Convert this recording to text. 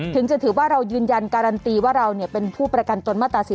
ถึงจะถือว่าเรายืนยันการันตีว่าเราเป็นผู้ประกันตนมาตรา๔๔